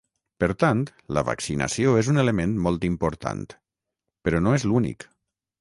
Per tant, la vaccinació és un element molt important, però no és l’únic.